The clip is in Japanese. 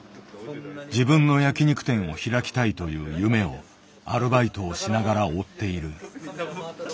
自分の焼き肉店を開きたいという夢をアルバイトをしながら追っている。